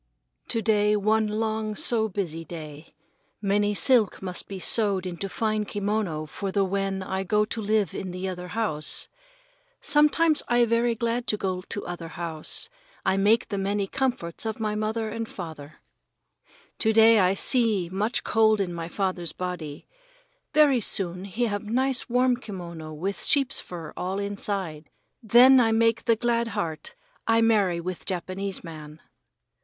To day one long so busy day. Many silk must be sewed into fine kimono for the when I go to live in other house. Sometimes I very glad I go to other house. I make the many comforts of my mother and my father. To day I see the much cold in my father's body. Very soon he have nice warm kimono with sheep's fur all inside. Then I make the glad heart, I marry with Japanese man.